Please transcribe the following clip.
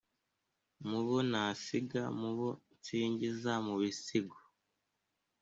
mu bo nasiga: mu bo nsingiza mu bisigo